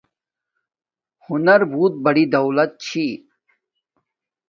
ہنز بوت بری دولت چھی